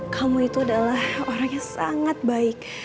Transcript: kamu itu adalah orang yang sangat baik